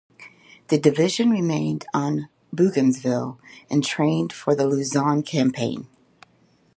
The division remained on Bougainville and trained for the Luzon campaign.